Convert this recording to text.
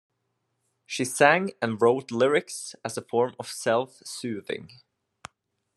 She sang and wrote lyrics as a form of self-soothing.